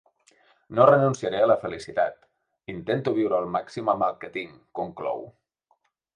No renunciaré a la felicitat, intento viure al màxim amb el que tinc, conclou.